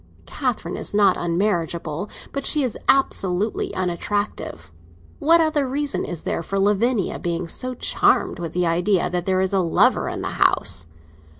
Catherine is not unmarriageable, but she is absolutely unattractive. What other reason is there for Lavinia being so charmed with the idea that there is a lover in the house?